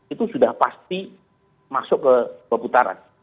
itu sudah pasti masuk ke putaran